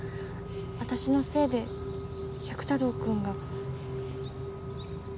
私のせいで百太郎くんが。